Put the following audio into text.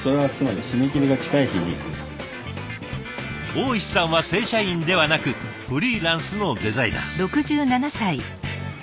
大石さんは正社員ではなくフリーランスのデザイナー。